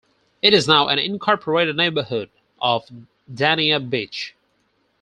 It is now an incorporated neighborhood of Dania Beach.